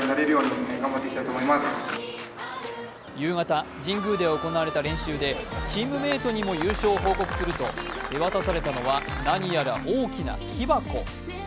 夕方、神宮で行われた練習でチームメイトにも優勝を報告すると、手渡されたのは何やら大きな木箱。